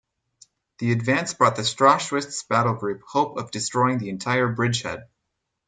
The advance brought the Strachwitz Battle Group hope of destroying the entire bridgehead.